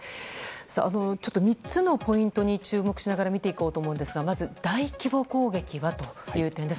３つのポイントに注目しながら見ていこうと思いますがまず、大規模攻撃はという点です。